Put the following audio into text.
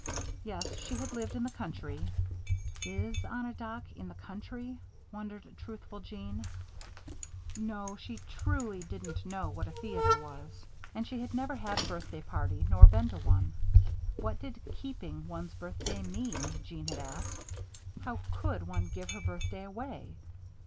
Yes, she had lived in the country (is on a dock "in the country"? wondered truthful Jeanne). No, she truly didn't know what a theater was; and she had never had a birthday party nor been to one. What did keeping one's birthday mean? Jeanne had asked. How could one give her birthday away!